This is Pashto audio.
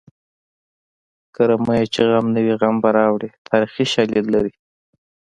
کرمیه چې غم نه وي غم به راوړې تاریخي شالید لري